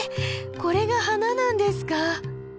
これが花なんですか？